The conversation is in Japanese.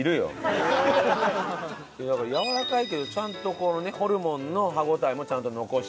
やわらかいけどちゃんとこのねホルモンの歯応えもちゃんと残してるっていうね。